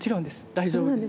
大丈夫です。